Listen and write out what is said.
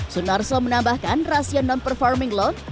sunarso menambahkan rasio non performing loan